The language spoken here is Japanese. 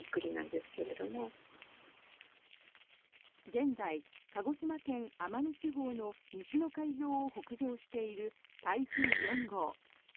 現在、鹿児島県・奄美地方の西の海上を北上している台風４号。